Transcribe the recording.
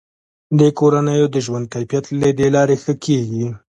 د کورنیو د ژوند کیفیت له دې لارې ښه کیږي.